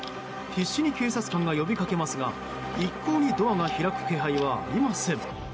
必死に警察官が呼びかけますが一向にドアが開く気配はありません。